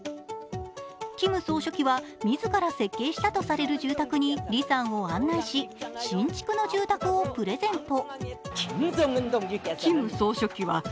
キム総書記は自ら設計したとされる住宅にリさんを案内し、新築の住宅をプレゼント。